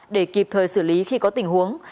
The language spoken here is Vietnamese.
để kịp thời xử lý khi có tình huống